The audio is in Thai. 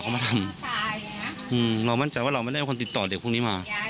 เรามั่นใจว่าเราไม่ได้คนติดต่อเด็กพวกนี้มา